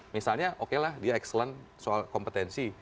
misalnya oke lah dia excellent soal kompetensi